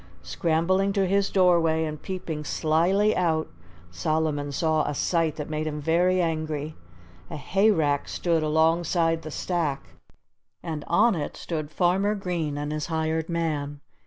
Scrambling to his doorway and peeping slyly out, Solomon saw a sight that made him very angry. A hayrack stood alongside the stack; and on it stood Farmer Green and his hired man.